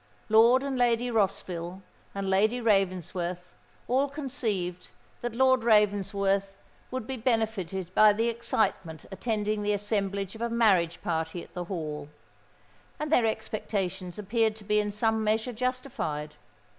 Lord and Lady Rossville and Lady Ravensworth all conceived that Lord Ravensworth would be benefited by the excitement attending the assemblage of a marriage party at the Hall; and their expectations appeared to be in some measure justified.